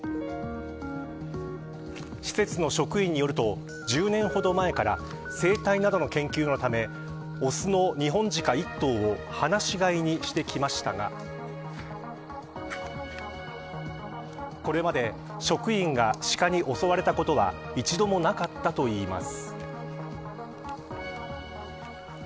施設の職員によると１０年ほど前から生態などの研究のため雄のニホンジカ１頭を放し飼いにしてきましたがこれまで、職員がシカに襲われたことは一度も、なかったといいます。